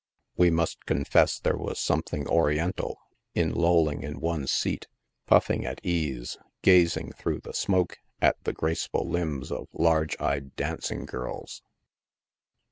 We must confess there was something oriental in lolling in one's seat, puffing at ease, gazing through the smoke at the graceful limbs of large eyed dancing girls.